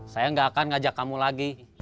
saya gak akan ngajak kamu lagi